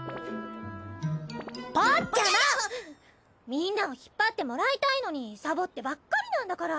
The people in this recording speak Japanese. みんなを引っ張ってもらいたいのにさぼってばっかりなんだから。